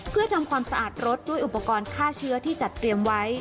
เพื่อทำความสะอาดรถด้วยอุปกรณ์ฆ่าเชื้อที่จัดเตรียมไว้